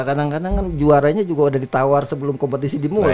kadang kadang kan juaranya juga udah ditawar sebelum kompetisi dimulai